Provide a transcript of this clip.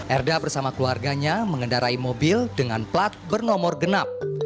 erda bersama keluarganya mengendarai mobil dengan plat bernomor genap